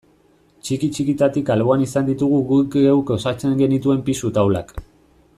Txiki-txikitatik alboan izan ditugu guk geuk osatzen genituen pisu taulak.